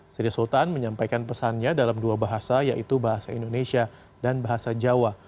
sri sultan menyampaikan pesannya dalam dua bahasa yaitu bahasa indonesia dan bahasa jawa